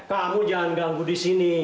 kamu jangan ganggu disini